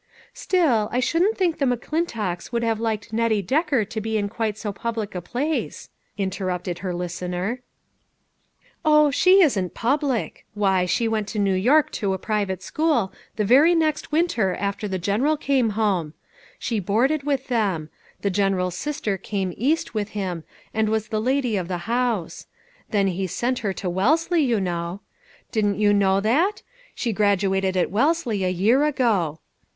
" Still, I shouldn't think the McClintocka would have liked Nettie Decker to be in quite so public a place," interrupted her listener. " Oh ! she wasn't public ; why, she went to New York to a private school the very next win ter after the General came home. She boarded with them ; the General's sister came East with him, and was the lady of the house ; then he sent her to Wellesley, you know. Didn't you know that ? She graduated at Wellesley a year ago.